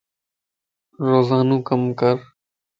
روزانو ڪم ڪر